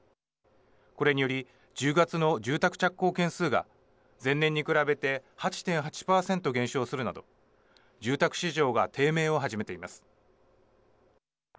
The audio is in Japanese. これにより１０月の住宅着工件数が前年に比べて８．８％減少するなど住宅市場が低迷を始めています。